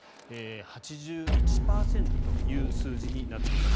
８１％という数字になっています。